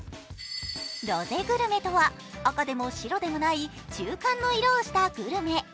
ロゼグルメとは赤でも白でもない、中間の色をしたグルメ。